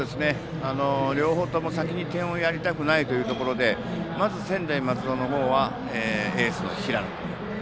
両方とも先に点をやりたくないというところでまず専大松戸の方はエースの平野君。